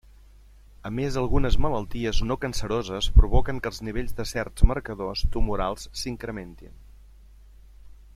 A més algunes malalties no canceroses provoquen que els nivells de certs marcadors tumorals s'incrementin.